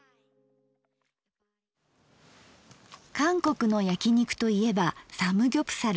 韓国のやき肉といえばサムギョプサル。